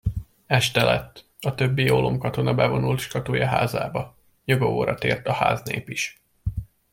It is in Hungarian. Este lett, a többi ólomkatona bevonult skatulya házába, nyugovóra tért a háznép is.